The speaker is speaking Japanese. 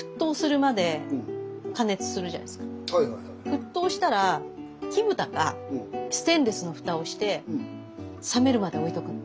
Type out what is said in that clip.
沸騰したら木ブタかステンレスのフタをして冷めるまで置いとくの。